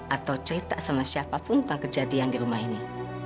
atau cerita sama siapapun tentang kejadian di rumah ini